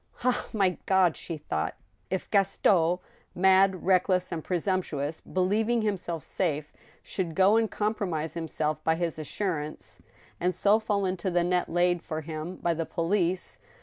" Ah, my God !" she thought, " if Gaston, mad, reckless, and pre sumptuous, believing himself safe, should go and compromise him self by his assurance, and so fall into the net laid for him by the police